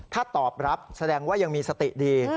ถ้าตอบรับแสดงว่ายังมีสติดี